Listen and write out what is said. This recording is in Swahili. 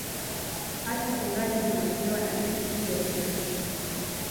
hati fungani zinatolewa na benki kuu ya tanzania